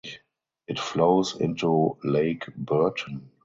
It flows into Lake Burton.